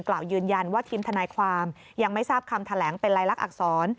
กล่าวยืนยันว่าทีมทนายความยังไม่ทราบคำแถลงเป็นลายลักษณอักษร